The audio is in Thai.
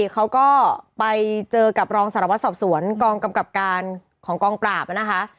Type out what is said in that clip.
เขาก็ไปเจอกับรองสารวัตรสอบสวนกองกำกับการของกองปราบนะคะ